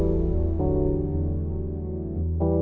mereka akan mencari dana bisnis